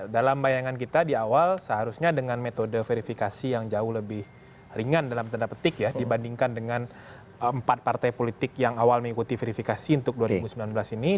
dalam bayangan kita di awal seharusnya dengan metode verifikasi yang jauh lebih ringan dalam tanda petik ya dibandingkan dengan empat partai politik yang awal mengikuti verifikasi untuk dua ribu sembilan belas ini